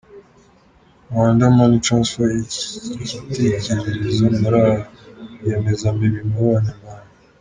Wanda Money Transfer, icyitegererezo muri ba rwiyemezamirimo b’Abanyarwanda.